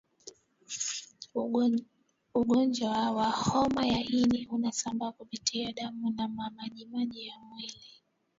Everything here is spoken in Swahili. ugonjwa wa homa ya ini unasambaa kupitia damu na majimaji ya mwili